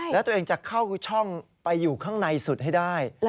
แล้วตัวเองจะเข้าช่องไปอยู่ข้างในสุดให้ได้